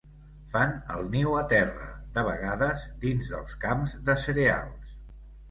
Fan el niu a terra, de vegades dins dels camps de cereals.